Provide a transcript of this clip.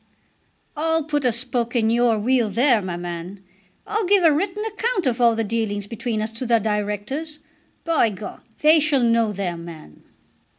"I'll put a spoke in your wheel there, my man. I'll give a written account of all the dealings between us to the Directors. By G , they shall know their man."